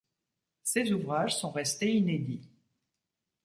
Ces ouvrages sont restés inédits.